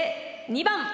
２番！